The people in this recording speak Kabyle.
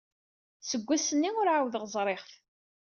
Seg wass-nni ur ɛawdeɣ ẓriɣ-t.